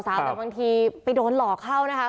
แต่บางทีไปโดนหลอกเข้านะคะ